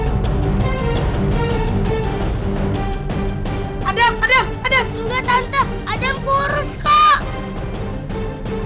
enggak tante adam kurus kok